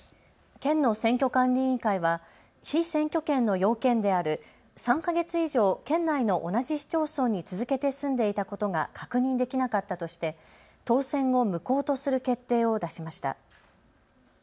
県の選挙管理委員会は被選挙権の要件である３か月以上県内の同じ市町村に続けて住んでいたことが確認できなかったとして当選を無効とする決定を出しました。